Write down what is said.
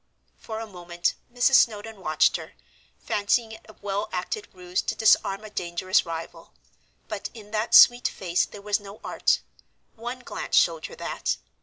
For a moment Mrs. Snowdon watched her, fancying it a well acted ruse to disarm a dangerous rival; but in that sweet face there was no art; one glance showed her that.